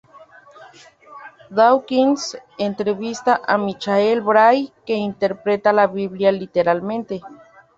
Dawkins entrevista a Michael Bray que interpreta la Biblia literalmente.